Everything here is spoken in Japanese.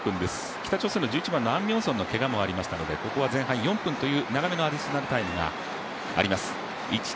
北朝鮮の１１番、アン・ミョンソンのけがもありましたので、ここは前半４分という長めのアディショナルタイムがあります。